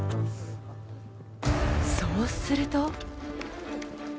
そうすると。